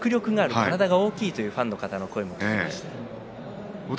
体が大きいというファンの方の声がありました。